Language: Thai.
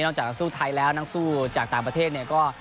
จากนักสู้ไทยแล้วนักสู้จากต่างประเทศเนี่ยก็